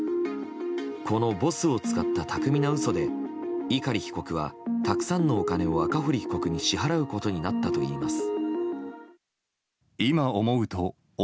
このボスを使った巧みな嘘で碇被告は、たくさんのお金を赤堀被告に支払うことになったといいます。